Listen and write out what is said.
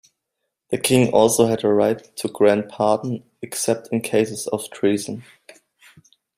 The king also had the right to grant pardon except in cases of treason.